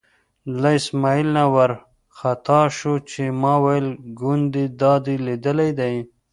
له اسمعیل نه وار خطا شو چې ما ویل ګوندې دا دې لیدلی دی.